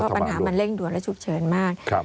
เพราะปัญหามันเร่งด่วนและชุดเชิญมาก